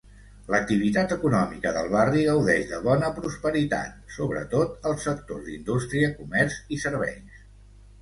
L'activitat econòmica del barri gaudeix de bona prosperitat, sobretot als sectors d'indústria, comerç i serveis.